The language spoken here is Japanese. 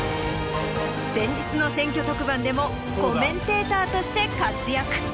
先日の選挙特番でもコメンテーターとして活躍。